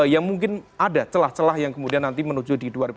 yang mungkin ada celah celah yang kemudian nanti menuju di dua ribu dua puluh